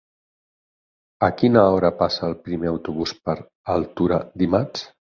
A quina hora passa el primer autobús per Altura dimarts?